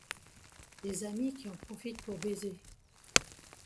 Des amis qui en profitent pour baiser.